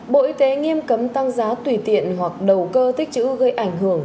bộ y tế nghiêm cấm tăng giá tùy tiện hoặc đầu cơ tích chữ gây ảnh hưởng